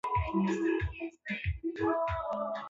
Bintu bya mashamba bina poteya